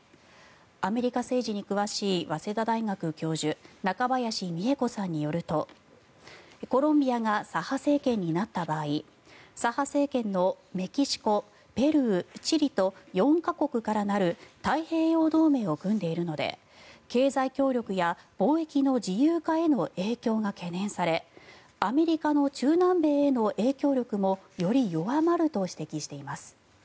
アメリカ政治に詳しい早稲田大学教授中林美恵子さんによるとコロンビアが左派政権になった場合左派政権のメキシコ、ペルーチリと４か国からなる太平洋同盟を組んでいるので経済協力や貿易の自由化への影響が懸念されアメリカの中南米への影響力もより弱まると指摘しています。